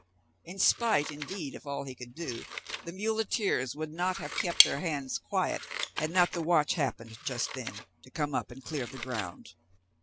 In spite indeed of all he could do, the muleteers would not have kept their hands quiet, had not the watch happened just then to come up and clear the ground.